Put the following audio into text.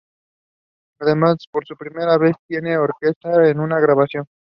Además que por primera vez tienen orquesta en una grabación.